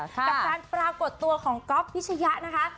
กับการปรากฏตัวของก๊อฟพิชยะนะคะ